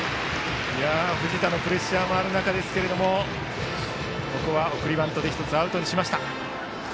藤田のプレッシャーもある中ここは送りバントで１つアウトにしました。